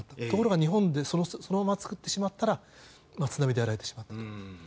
ところが日本でそのまま使ってしまったら津波でやられてしまったと。